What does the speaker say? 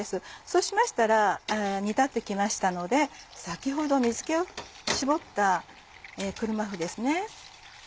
そうしましたら煮立って来ましたので先ほど水気を絞った車麩ですね。